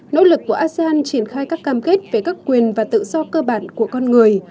nỗ lực của asean triển khai các cam kết về các quyền và tự do cơ bản của con người